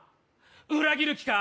裏切る気か！？